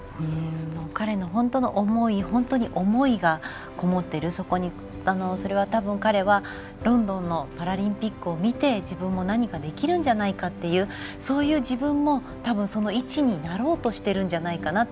彼の本当の思いがこもっているこもってる、それはたぶん彼はロンドンのパラリンピックを見て自分も何かできるんじゃないかというそういう自分も、その位置になろうとしてるんじゃないかなって。